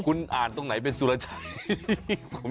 คุณอ่านตรงไหนเป็นสุรชัย